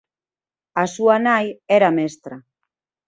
A súa nai era mestra.